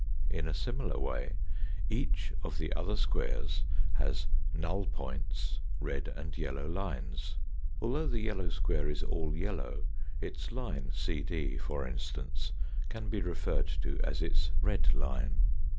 In a similar way each of the other squares has null points, red and yellow lines. Although the yellow square is all yellow, its line CD, for instance, can be referred to as its red line.